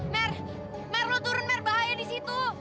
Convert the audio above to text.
mer mer lo turun mer bahaya di situ